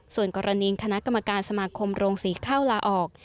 ส่วนกรณีคณะกรรมการสมาคมโรงสีข้าวลาออก